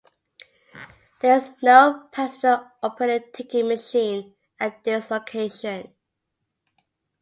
There is no passenger-operated ticket machine at this location.